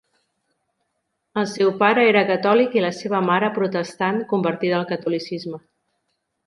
El seu pare era catòlic i la seva mare protestant convertida al catolicisme.